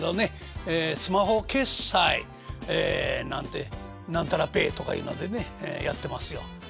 スマホ決済なんて何たらペイとかいうのでねやってますよ。